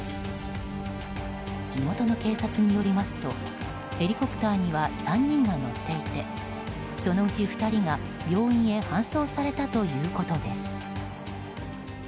地元の警察によりますとヘリコプターには３人が乗っていてそのうち２人が病院へ搬送されたということです。